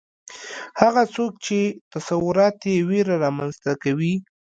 هغه څوک چې تصورات یې ویره رامنځته کوي